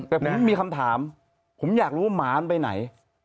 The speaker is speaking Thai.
แต่ผมมีคำถามผมอยากรู้หมามันไปไหน